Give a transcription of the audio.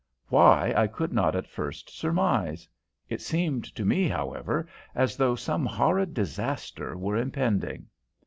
Why, I could not at first surmise. It seemed to me, however, as though some horrid disaster were impending.